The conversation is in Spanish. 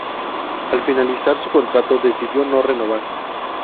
Al finalizar su contrato decidió no renovar.